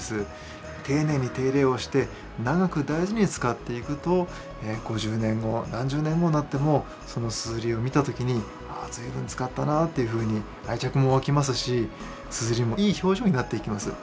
丁寧に手入れをして長く大事に使っていくと５０年後何十年後になってもその硯を見た時に「あ随分使ったな」というふうに愛着も湧きますし硯もいい表情になっていきます。